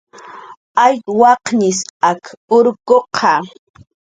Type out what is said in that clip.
Ayk waqnis ak urkuqa